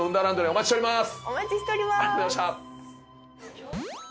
お待ちしております。